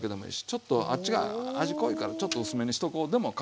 ちょっとあっちが味濃いからちょっと薄めにしとこうでもかまわないんですよ。